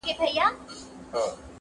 o په افغان وطن کي شان د جنتو دی,